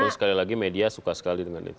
sekali lagi media suka sekali dengan itu